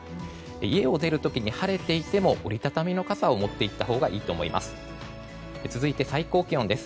家を出る時に晴れていても折り畳みの傘を持って行ったほうがいいと思います。